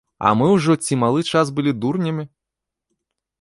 А мы ўжо ці малы час былі дурнямі?